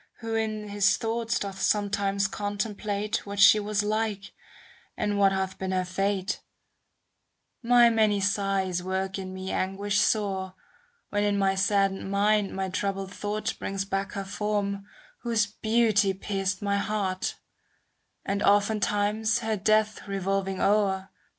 Who in his thoughts doth sometimes con template What she was like, and what hath been her fate. ^ An echo of Cam. ii. 15 21. 68 CANZONIERE My many sighs work in me anguish sore. When in my saddened mind my troubled thought Brings back her form, whose beauty pierced my heart; ^ And oftentimes, her death revolving o'er.